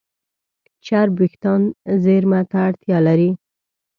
چرب وېښتيان زېرمه ته اړتیا لري.